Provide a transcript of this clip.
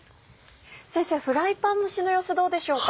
先生フライパン蒸しの様子どうでしょうか？